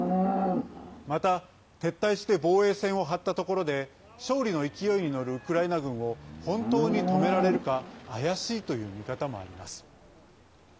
また、撤退して防衛線を張ったところで勝利の勢いに乗るウクライナ軍を本当に止められるか怪しいという見方もあります。